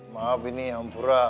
maaf ini ampura